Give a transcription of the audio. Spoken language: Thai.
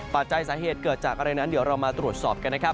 ปัจจัยสาเหตุเกิดจากอะไรนั้นเดี๋ยวเรามาตรวจสอบกันนะครับ